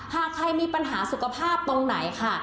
หากใครมีปัญหาสุขภาพตรงไหนค่ะ